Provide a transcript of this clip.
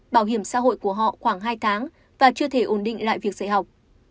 bảo hiểm xã hội của họ khoảng hai tháng và chưa thể ổn định lại việc dạy học